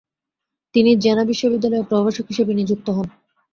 তিনি জেনা বিশ্ববিদ্যালয়ে প্রভাষক হিসেবে নিযুক্ত হন।